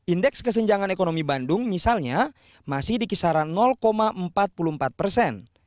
indeks kesenjangan ekonomi bandung misalnya masih di kisaran empat puluh empat persen